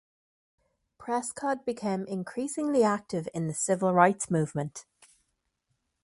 Prescod became increasingly active in the civil rights movement.